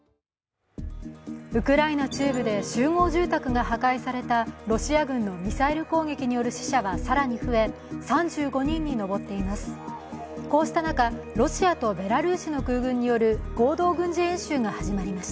ウクライナ中部で集合住宅が破壊されたロシア軍のミサイル攻撃による死者は更に増え、３５人に上っています。